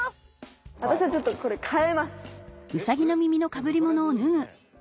私はちょっとこれかえます。